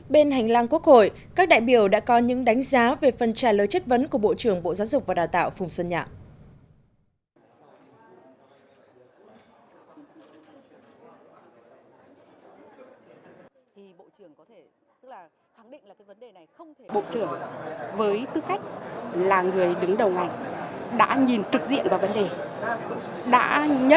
bên hành lang quốc hội các đại biểu đã có những đánh giá về phần trả lời chất vấn của bộ trưởng bộ giáo dục và đào tạo phùng xuân nhã